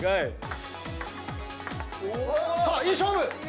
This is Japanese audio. さあいい勝負。